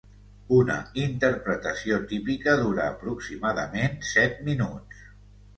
Una interpretació típica dura aproximadament set minuts.